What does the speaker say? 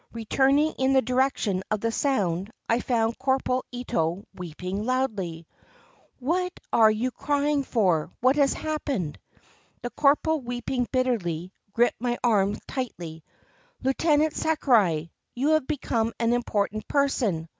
Returning in the direction of the sound, I found Corporal Ito weeping loudly. "What are you cr5dng for? What has happened?" The corporal, weeping bitterly, gripped my arm tightly. "Lieutenant Sakurai, you have become an important person."